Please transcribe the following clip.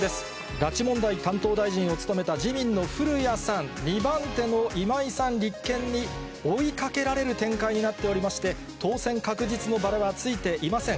拉致問題担当大臣を務めた自民の古屋さん、２番手の今井さん、立憲に追いかけられる展開になっておりまして、当選確実のバラはついていません。